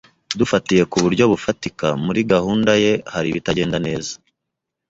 Dufatiye ku buryo bufatika, muri gahunda ye hari ibitagenda neza